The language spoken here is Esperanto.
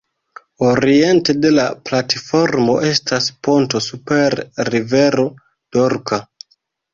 Oriente de la platformo estas ponto super rivero Dorka.